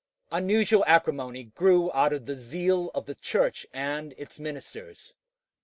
Unusual acrimony grew out of the zeal of the Church and its ministers.